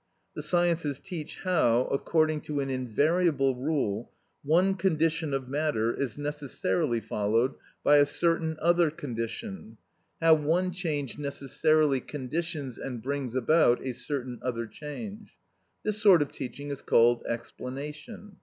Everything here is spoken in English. The sciences teach how, according to an invariable rule, one condition of matter is necessarily followed by a certain other condition; how one change necessarily conditions and brings about a certain other change; this sort of teaching is called explanation.